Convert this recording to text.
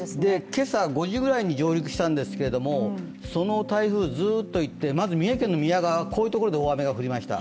今朝５時ぐらいに上陸したんですけれどもその台風ずと行ってまず三重県の宮川こういうところで大雨降りました。